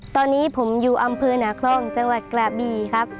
ตอนนี้ผมอยู่อำเภอหนาคล่องจังหวัดกระบีครับ